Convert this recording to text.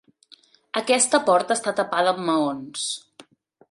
Aquesta porta està tapada amb maons.